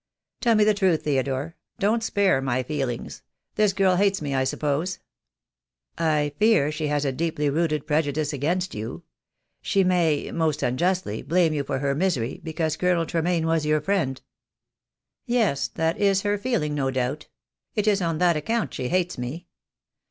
Tell me the truth, Theodore. Don't spare my feelings. This girl hates me, I suppose?" "I fear she has a deeply rooted prejudice against you. She may — most unjustly — blame you for her misery, be cause Colonel Tremayne was your friend." "Yes, that is her feeling, no doubt; it is on that ac count she hates me.